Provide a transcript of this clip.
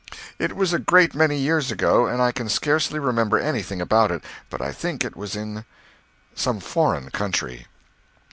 It was a great many years ago, and I can scarcely remember anything about it, but I think it was in some foreign country.